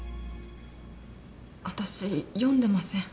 私読んでません。